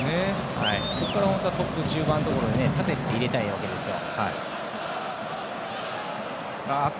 これからまたトップ、中盤のところ縦に入れたいわけですよ。